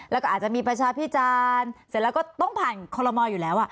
แล้วก็อาจจะมีประชาพิจารณ์เสร็จแล้วก็ต้องผ่านคอลโมอยู่แล้ว